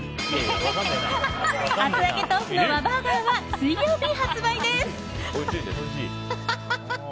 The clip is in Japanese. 厚揚げとうふの和バーガーは水曜日発売です。